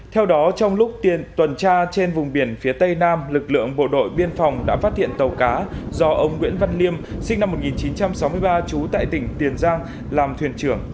theo đó trong lúc tuần tra trên vùng biển phía tây nam lực lượng bộ đội biên phòng đã phát hiện tàu cá do ông nguyễn văn liêm sinh năm một nghìn chín trăm sáu mươi ba trú tại tỉnh tiền giang làm thuyền trưởng